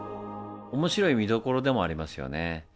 面白い見どころでもありますよね。